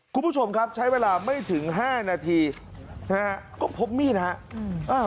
คุณผู้ชมครับใช้เวลาไม่ถึง๕นาทีก็พบมีดครับ